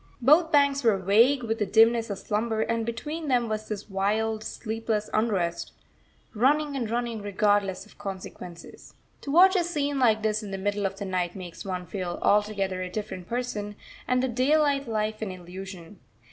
Both banks were vague with the dimness of slumber, and between them was this wild, sleepless unrest, running and running regardless of consequences. To watch a scene like this in the middle of the night makes one feel altogether a different person, and the daylight life an illusion.